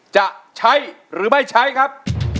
จะใช้หรือไม่ใช้ครับ